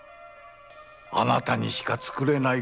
あなたにしか作れない薬